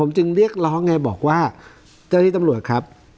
จึงเรียกร้องไงบอกว่าเจ้าที่ตำรวจครับ